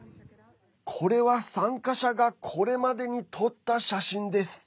これは参加者がこれまでに撮った写真です。